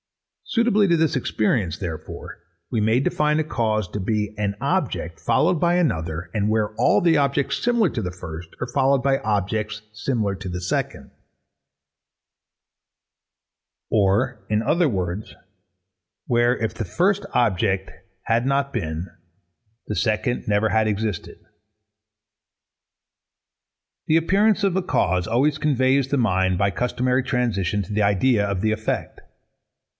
Suitably to this experience, therefore, we may define a cause to be _an object, followed by another, and where all the objects similar to the first are followed by objects similar to the second_. Or in other words where, if the first object had not been, the second never had existed. The appearance of a cause always conveys the mind, by a customary transition, to the idea of the effect.